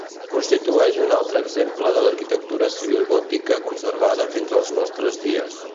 Constitueix un altre exemple de l'arquitectura civil gòtica conservada fins als nostres dies.